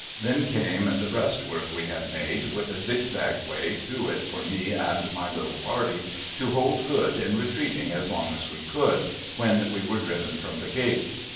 Then came the breast work we had made, with a zig zag way through it for me and my little party to hold good in retreating, as long as we could, when we were driven from the gate.